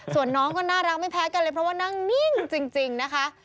ส่วนน้องก็น่ารักไม่แพ้กันเลยเพราะว่านั่งนิ่งจริงนะคะ